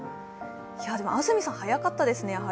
安住さん、早かったですね、やはり。